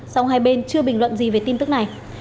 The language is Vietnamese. song hai bên chưa bình luận gì về tin tức này